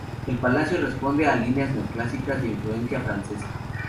El palacio responde a líneas neoclásicas de influencia francesa.